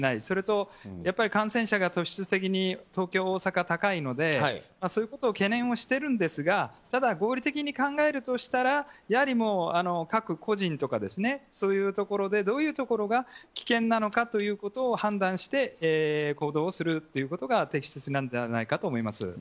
それと、感染者が突出的に東京、大阪は高いのでそういうことを懸念してるんですがただ、合理的に考えるとしたらやはり各個人とかそういうところでどういうところが危険なのかということを判断して行動をするということが適切なのではないかと思います。